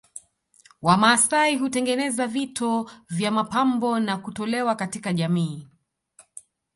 Wamasai hutengeneza vito vya mapambo na kutolewa katika jamii